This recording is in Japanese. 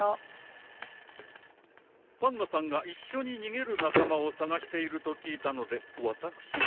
パンナさんが一緒に逃げる仲間を探していると聞いたので私もと。